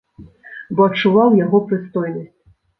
Бо адчуваў яго прыстойнасць.